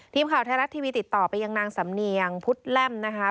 ทีมข่าวไทยรัฐทีวีติดต่อไปยังนางสำเนียงพุทธแล่มนะคะ